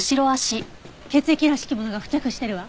血液らしきものが付着してるわ。